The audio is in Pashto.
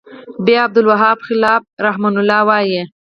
ب : عبدالوهاب خلاف رحمه الله وایی